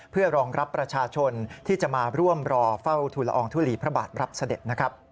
เพื่อรองรับประชาชนที่จะมาร่วมรอเฝ้าธุระองค์ธุรีพระบาทรัพย์เสด็จ